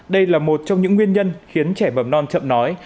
đây là một trong những nguyên nhân khiến trẻ mầm non chậm nói